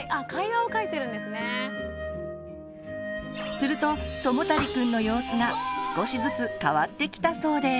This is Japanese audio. するとともたりくんの様子が少しずつ変わってきたそうです。